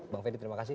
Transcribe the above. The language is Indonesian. bang feri terima kasih